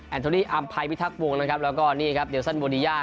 อันโทนี่อำภัยวิทัพวงศ์นะครับแล้วก็นี่ครับเดียวสั้นโบรียา